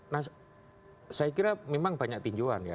nah saya kira memang banyak tinjauan ya